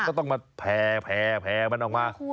ก็ต้องมาแผ่มันออกมา